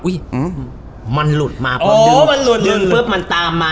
อุ๊ยมันหลุดมาอ๋อมันหลุดหลุดมันตามมาแสดงว่า